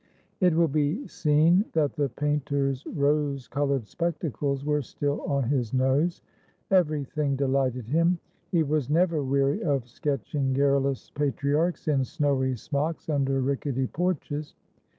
It will be seen that the painter's rose colored spectacles were still on his nose. Every thing delighted him. He was never weary of sketching garrulous patriarchs in snowy smocks under rickety porches.